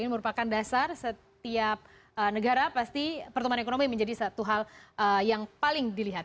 ini merupakan dasar setiap negara pasti pertumbuhan ekonomi menjadi satu hal yang paling dilihat